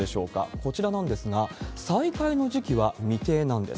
こちらなんですが、再開の時期は未定なんです。